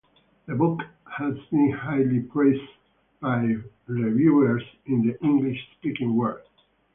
The book has been highly praised by reviewers in the English speaking world.